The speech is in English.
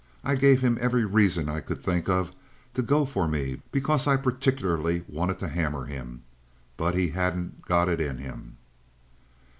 I gave him every reason I could think of to go for me because I particularly wanted to hammer him. But he hadn't got it in him."